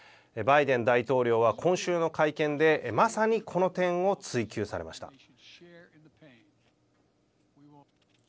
バイデン大統領は今週の会見でまさに、この点を追及されました。